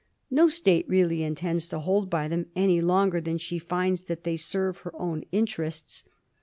No State really intends to hold by them any longer than she finds that they serve her own interests.